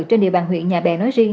trên địa bàn huyện nhà bè nói riêng